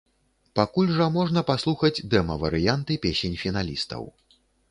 Пакуль жа можна паслухаць дэма-варыянты песень фіналістаў.